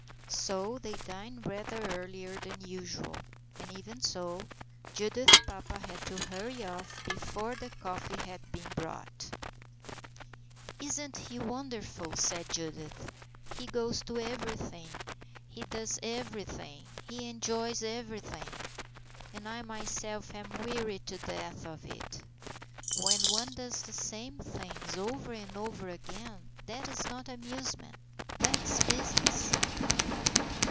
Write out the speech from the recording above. So they dined rather earlier than usual, and even so, Judith's papa had to hurry off before the coffee had been brought. 155 156 STORIES IN GREY "Isn't he wonderful?" said Judith. "He goes to everything, he does everything, he enjoys every thing. And I myself am weary to death of it all. When one does the same things over and over again, that is not amusement, that's business."